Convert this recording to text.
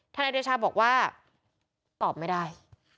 ท่านอาจารย์ชาวบอกว่าตอบไม่ได้